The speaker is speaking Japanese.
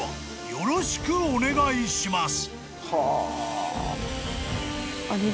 よろしくお願いします］